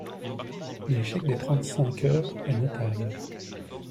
L’échec des trente-cinq heures est notable.